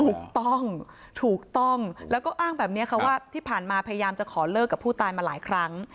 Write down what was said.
ถูกต้องถูกต้องแล้วก็อ้างแบบนี้ค่ะว่าที่ผ่านมาพยายามจะขอเลิกกับผู้ตายมาหลายครั้ง